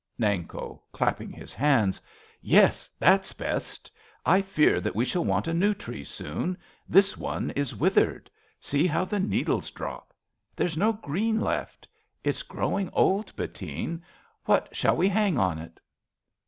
Nanko {clapping his hands). Yes, that's best. I fear that we shall want a new tree, soon. This one is withered. See how the needles drop. ^12 A BELGIAN CHRISTMAS EVE There's no green left. It's growing old, Bettine. What shall we hang on it?